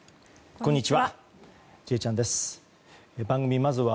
こんにちは。